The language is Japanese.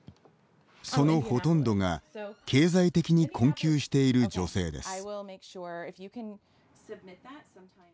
そのほとんどが経済的に困窮している女性です。